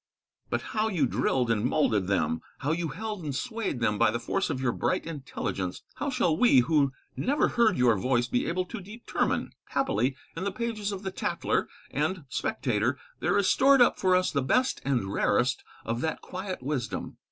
But how you drilled and moulded them, how you held and swayed them by the force of your bright intelligence, how shall we who never heard your voice be able to determine? Happily in the pages of the 'Tatler' and 'Spectator' there is stored up for us the best and rarest of that quiet wisdom.